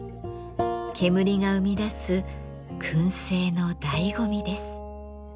煙が生み出す燻製のだいご味です。